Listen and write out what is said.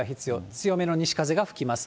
強めの西風が吹きます。